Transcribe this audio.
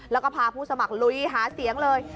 แล้วก็พาผู้สมัครลุยหาเสียงเลย